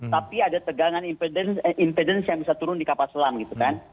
tapi ada tegangan inpedence yang bisa turun di kapal selam gitu kan